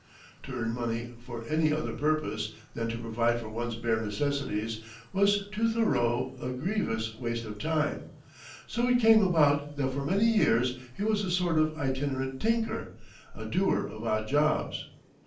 To earn money for any other purpose than to provide for one's bare necessities was to Thoreau a grievous waste of time, so it came about that for many years he was a sort of itinerant tinker, a doer of odd jobs.